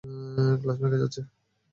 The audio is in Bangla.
গ্লাস ভেঙে যাচ্ছে!